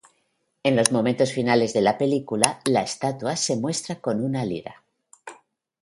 En los momentos finales de la película la estatua se muestra con una lira.